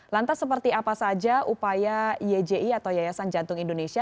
lantas seperti apa saja upaya yji atau yayasan jantung indonesia